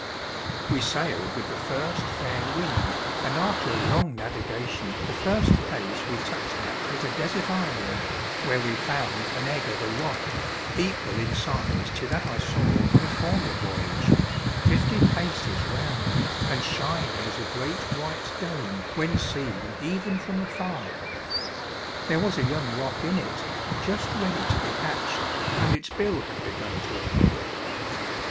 We sailed with the first fair wind, and after a long navigation the first place we touched at was a desert island, where we found an egg of a roc, equal in size to that I saw on a former voyage, fifty paces round, and shining as a great white dome when seen even from afar. There was a young roc in it, just ready to be hatched, and its bill had begun to appear.